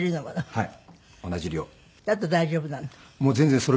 はい。